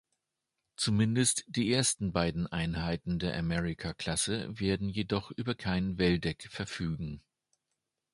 Zumindest die ersten beiden Einheiten der America-Klasse werden jedoch über kein Welldeck verfügen.